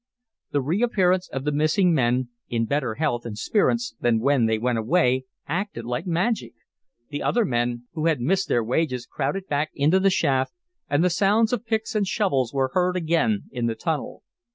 The reappearance of the missing men, in better health and spirits than when they went away, acted like magic. The other men, who had missed their wages, crowded back into the shaft, and the sounds of picks and shovels were heard again in the tunnel.